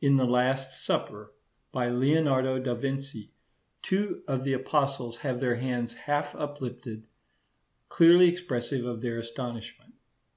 In the 'Last Supper,' by Leonardo da Vinci, two of the Apostles have their hands half uplifted, clearly expressive of their astonishment.